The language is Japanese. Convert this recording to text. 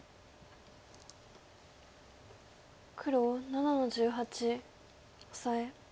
黒７の十八オサエ。